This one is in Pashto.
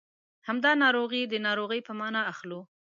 همدا ناروغي د ناروغۍ په مانا اخلو.